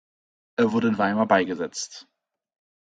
Er wurde in Weimar beigesetzt.